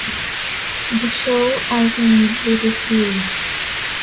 The show ultimately refused.